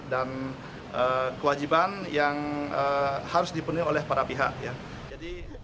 yang kewajiban yang harus dipenuhi oleh para pihak ya